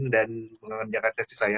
dan mengerjakan tes saya